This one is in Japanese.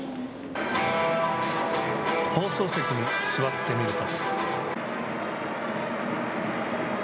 放送席に座ってみると。